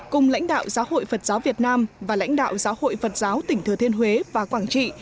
cùng lãnh đạo giáo hội phật giáo việt nam và lãnh đạo giáo hội phật giáo tỉnh thừa thiên huế và quảng trị